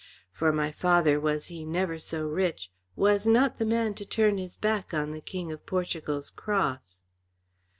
For my father, was he never so rich, was not the man to turn his back on the King of Portugal's cross."